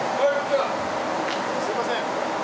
すみません